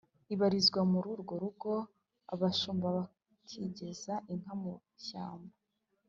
ibarizwa muri urwo rugo. abashumba bakigeza inka mu ishyamba,